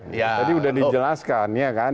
tadi sudah dijelaskan ya kan